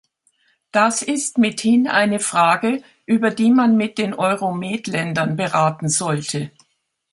Das ist mithin eine Frage, über die man mit den Euromed-Ländern beraten sollte.